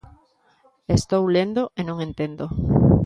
Estou lendo e non entendo.